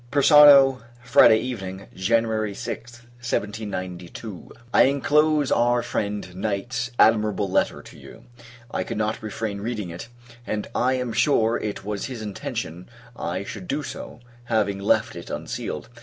Persano, Friday Evening. [Jan. 6th, 1792.] I Inclose our friend Knight's admirable letter to you. I could not refrain reading it; and, I am sure, it was his intention I should do so, having left it unsealed.